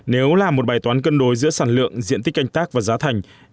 nếu là một bài toán cân đối giữa sản lượng diện tích canh tác và giá thành